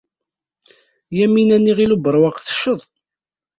Yamina n Yiɣil Ubeṛwaq tecceḍ.